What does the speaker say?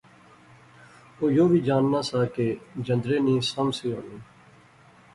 او یو وی جاننا سا کہ جندرے نی سم سی ہونی